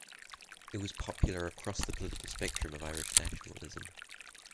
It was popular across the political spectrum of Irish nationalism.